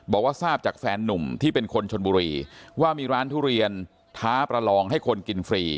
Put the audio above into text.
บอกว่าทราบจากแฟนนุ่มที่เป็นคนชนบุรีว่ามีร้านทุเรียนท้าประลองให้คนกินฟรี